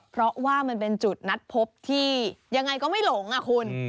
เพราะว่ามันเป็นจุดนัดพบที่ยังไงก็ไม่หลงอ่ะคุณ